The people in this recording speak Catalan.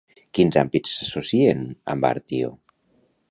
Quins àmbits s'associen amb Artio?